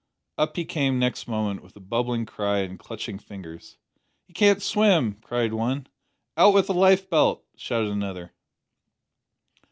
Up he came next moment with a bubbling cry and clutching fingers. "He can't swim!" cried one. "Out with a lifebelt!" shouted another.